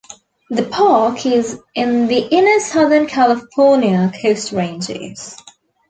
The park is in the Inner Southern California Coast Ranges.